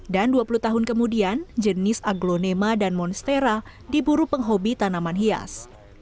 dan dua puluh tahun kemudian jenis aglonema dan monstera diburu penghobi tanaman hias